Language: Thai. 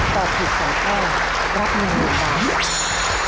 ตอบถูก๓ข้อรับเงิน๑บาท